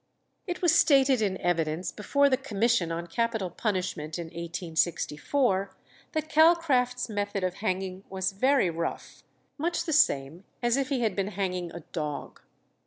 It was stated in evidence before the Commission on Capital Punishment in 1864, that Calcraft's method of hanging was very rough, much the same as if he had been hanging a dog.